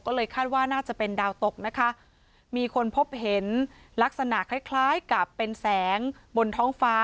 ก็เลยคาดว่าน่าจะเป็นดาวตกนะคะมีคนพบเห็นลักษณะคล้ายคล้ายกับเป็นแสงบนท้องฟ้า